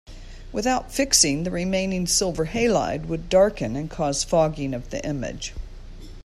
Without fixing, the remaining silver halide would darken and cause fogging of the image.